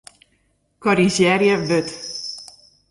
Korrizjearje wurd.